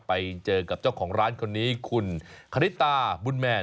ไปเจอกับเจ้าของร้านคนนี้คุณคณิตาบุญแมน